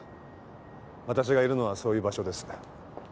私がいるのはそういう場所です。